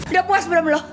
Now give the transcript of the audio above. udah puas belum lo